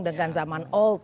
dengan zaman old